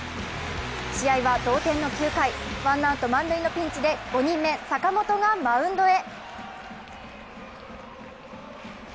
試合は同点の９回、ワンアウト満塁のピンチで５人目、坂本がマウンドへ。